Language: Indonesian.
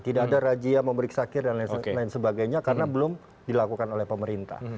tidak ada rajia memeriksakir dan lain sebagainya karena belum dilakukan oleh pemerintah